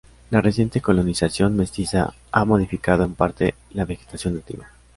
La reciente colonización mestiza, ha modificado en parte la vegetación nativa.